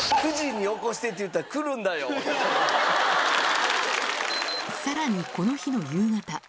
９時に起こしてって言ったらさらにこの日の夕方。